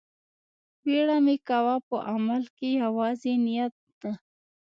بيړه مه کوه په عمل کښې يوازې نيت نه.